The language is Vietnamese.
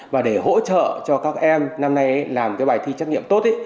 và để hỗ trợ cho các em năm nay làm cái bài thi trắc nghiệm tốt